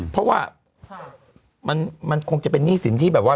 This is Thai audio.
เพราะว่ามันคงจะเป็นหนี้สินที่แบบว่า